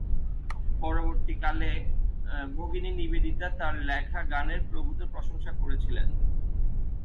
পরবর্তীকালে, ভগিনী নিবেদিতা তার লেখা গানের প্রভূত প্রশংসা করেছিলেন।